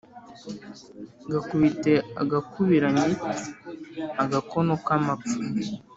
gakubite ugakubiranye-agakono k'amapfa.